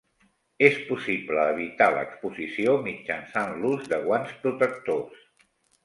És possible evitar l'exposició mitjançant l'ús de guants protectors.